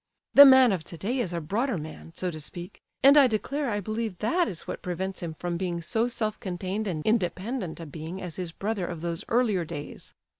The man of today is a broader man, so to speak—and I declare I believe that is what prevents him from being so self contained and independent a being as his brother of those earlier days.